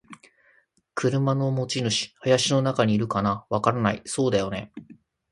「車の持ち主。林の中にいるかな？」「わからない。」「そうだよね。」